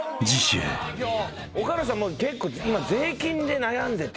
岡野さん結構今税金で悩んでて。